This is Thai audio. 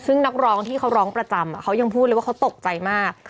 ซึ่งนักร้องที่เขาร้องประจำเขายังพูดเลยว่าเขาตกใจมาก